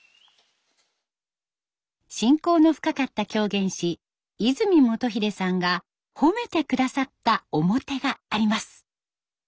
親交の深かった狂言師和泉元秀さんが褒めて下さった面があります。